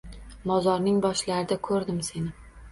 Mozorining boshlarida ko’rdim seni